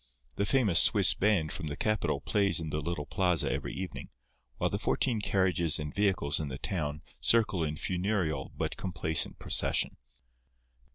The famous Swiss band from the capital plays in the little plaza every evening, while the fourteen carriages and vehicles in the town circle in funereal but complacent procession.